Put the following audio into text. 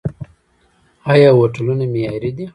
آیا هوټلونه معیاري دي؟